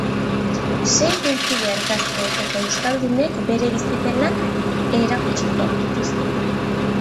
Sei youtuber gazte eta euskaldunek beren bizipenak erakutsiko dituzte.